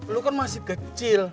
lu kan masih kecil